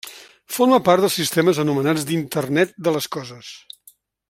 Forma part dels sistemes anomenats d'internet de les coses.